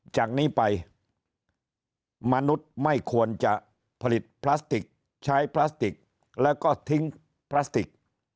จากนี้ไปมนุษย์ไม่ควรจะผลิตพลาสติกใช้พลาสติกแล้วก็ทิ้งพลาสติก